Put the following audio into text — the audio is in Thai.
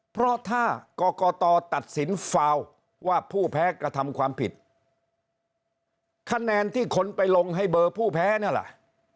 เพราะถ้ากรกตตัดสินฟาวว่าผู้แพ้กระทำความผิดคะแนนที่คนไปลงให้เบอร์ผู้แพ้นั่นแหละ